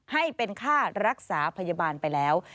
ให้เป็นค่ารักษาพยาบาลไปแล้ว